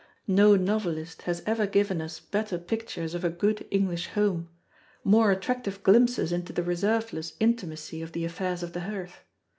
No novelist has ever given us better pictures of a good English home; more attractive glimpses into the reserveless intimacy of the affairs of the hearth.